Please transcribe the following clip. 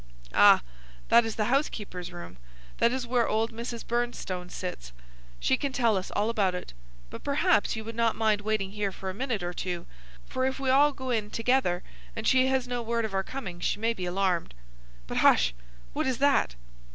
"Ah, that is the housekeeper's room. That is where old Mrs. Bernstone sits. She can tell us all about it. But perhaps you would not mind waiting here for a minute or two, for if we all go in together and she has no word of our coming she may be alarmed. But hush! what is that?"